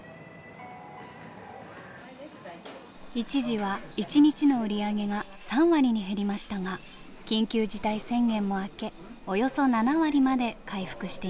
一時は一日の売り上げが３割に減りましたが緊急事態宣言も明けおよそ７割まで回復しています。